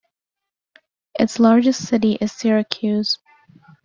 Its largest city is Syracuse.